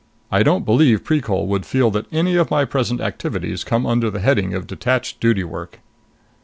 I don't believe Precol would feel that any of my present activities come under the heading of detached duty work!"